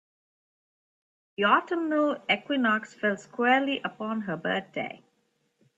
The autumnal equinox fell squarely upon her birthday.